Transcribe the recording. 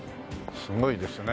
すごいですね。